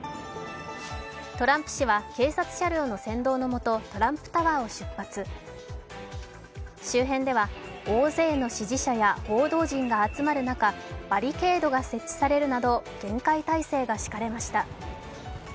トランプ氏は警察車両の先導のもと、トランプタワーを出発周辺では大勢の支持者や報道陣が集まる中バリケードが設置されるなど厳戒態勢が敷かれました。